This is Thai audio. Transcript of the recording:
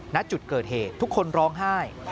ณจุดเกิดเหตุทุกคนร้องไห้